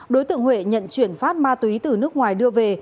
đối tượng huệ nhận chuyển phát ma túy từ nước ngoài đưa về